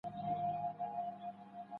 کورنۍ پټ عمل کوي د شرم.